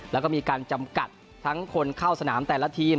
แล้วก็มีการจำกัดทั้งคนเข้าสนามแต่ละทีม